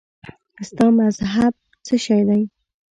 ستا مذهب څه شی دی؟